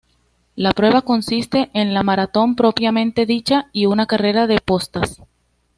La prueba consiste en la maratón propiamente dicha y una carrera de postas.